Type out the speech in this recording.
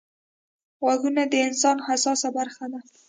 غوږونه د انسان حساسه برخه ده